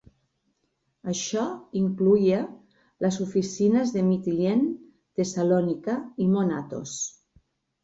Això incloïa les oficines de Mitilene, Tessalònica i Mont Athos.